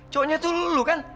cowoknya tuh lu kan